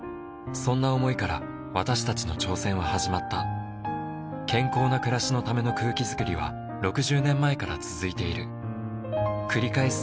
そんな想いから私たちの挑戦は始まった健康な暮らしのための空気づくりは６０年前から続いている繰り返す